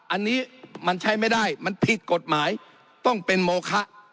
อันนี้มันใช้ไม่ได้มันผิดกฎหมายต้องเป็นโมคะ